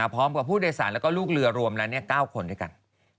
พร้อมกับผู้โดยสารแล้วก็ลูกเรือรวมแล้ว๙คนด้วยกัน